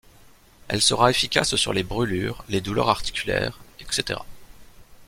Elle sera efficace sur les brûlures, les douleurs articulaires, etc.